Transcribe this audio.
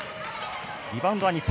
リバウンドは日本。